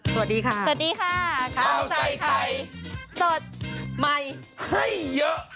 สวัสดีค่ะสวัสดีค่ะข้าวใส่ไข่สดใหม่ให้เยอะ